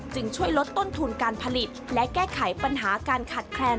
ช่วยลดต้นทุนการผลิตและแก้ไขปัญหาการขาดแคลน